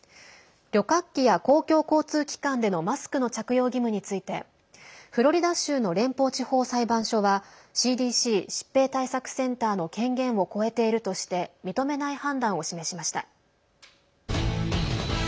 旅客機や公共交通機関でのマスクの着用義務についてフロリダ州の連邦地方裁判所はＣＤＣ＝疾病対策センターの権限を超えているとして認めない判断を示しました。